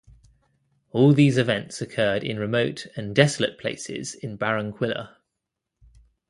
All these events occurred in remote and desolate places in Barranquilla.